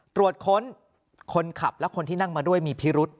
ตรวจค้นคนขับและคนที่นั่งมาด้วยมีพิรุษ